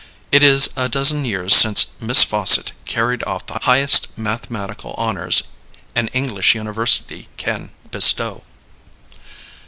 It is a dozen years since Miss Fawcett carried off the highest mathematical honors an English university can bestow.